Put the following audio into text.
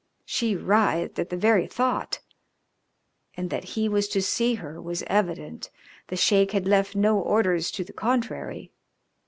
She writhed at the very thought. And that he was to see her was evident; the Sheik had left no orders to the contrary.